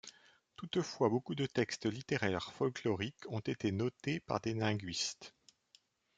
Toutefois, beaucoup de textes littéraires folkloriques ont été notés par des linguistes.